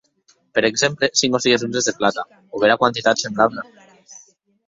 Per exemple, cinc o sies onzes de plata o bèra quantitat semblabla.